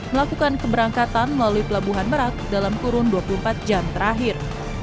melakukan keberangkatan melalui pelabuhan merak dalam kurun dua puluh empat jam terakhir